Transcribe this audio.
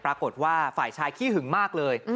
ปรากฏว่าฝ่ายชายขี้หึงมากเลย